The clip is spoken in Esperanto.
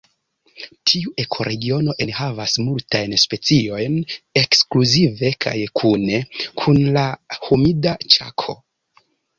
Tiu ekoregiono enhavas multajn speciojn ekskluzive kaj kune kun la Humida Ĉako.